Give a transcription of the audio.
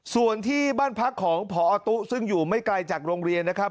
ส่วนที่บ้านพักของพอตุ๊ซึ่งอยู่ไม่ไกลจากโรงเรียนนะครับ